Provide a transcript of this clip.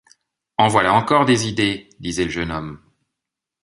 En voilà encore des idées! disait le jeune homme.